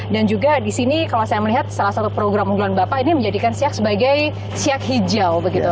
dan juga di sini kalau saya melihat salah satu program unggulan bapak ini menjadikan siak sebagai siak hijau